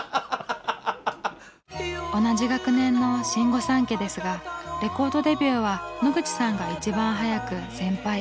同じ学年の新御三家ですがレコードデビューは野口さんが一番早く先輩。